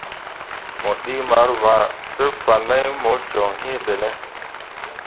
Mo ɗii marvǝǝ te fan mai mo joŋ iŋ ɓene ?